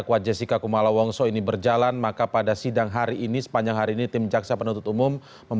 karena sudah cukup